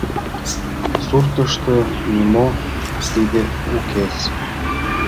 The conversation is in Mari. Суртышто нимо тиде укес.